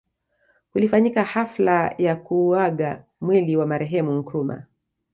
Kulifanyika hafla ya kuuaga mwili wa marehemu Nkrumah